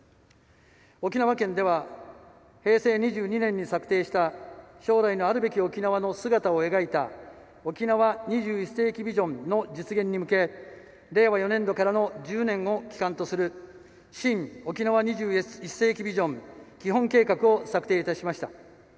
沖縄県では平成２２年に策定した将来のあるべき沖縄の姿を描いた「沖縄２１世紀ビジョン」の実現に向け令和４年度からの１０年を期間とする「新・沖縄２１世紀ビジョン基本計画」を策定いたしました。